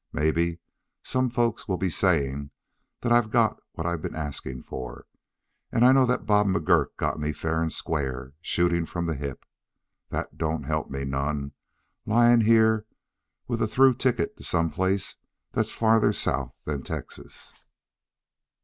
Maybe some folks will be saying that I've got what I've been asking for, and I know that Bob McGurk got me fair and square, shooting from the hip. That don't help me none, lying here with a through ticket to some place that's farther south than Texas.